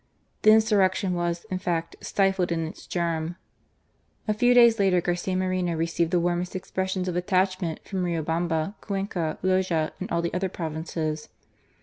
The insurrection was, in fact, stifled in its germ. A few days later Garcia Moreno received the warmest expressions of attachment from Riobamba, Cuenca, FALL OF PRESIDENT ESPINOZA. 19^ Loja, and all the other provinces.